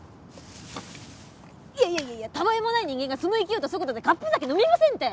いやいやいやいや他愛もない人間がその勢いと速度でカップ酒飲みませんって！